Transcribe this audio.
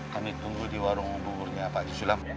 kami tunggu di warung umurnya pak haji sulaim